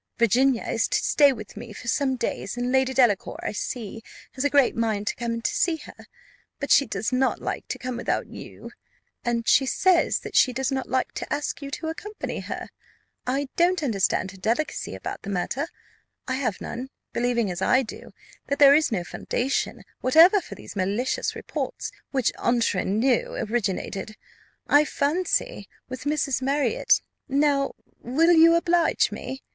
Virginia is to stay with me for some days; and Lady Delacour, I see, has a great mind to come to see her; but she does not like to come without you, and she says that she does not like to ask you to accompany her. I don't understand her delicacy about the matter I have none; believing, as I do, that there is no foundation whatever for these malicious reports, which, entre nous, originated, I fancy, with Mrs. Marriott. Now, will you oblige me?